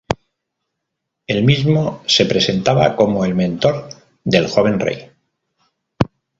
Él mismo se presentaba como el mentor del joven rey.